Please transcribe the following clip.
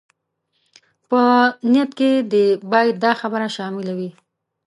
په نيت کې دې بايد دا خبره شامله وي.